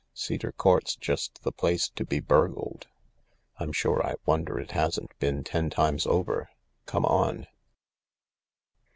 Cedar Court's just the place to be burgled. I'm sure I wonder it hasn't been ten times over. Come on."